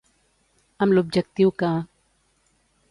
Amb l'objectiu que.